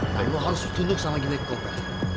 tapi lu harus tunduk sama black cobra